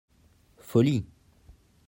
Follie.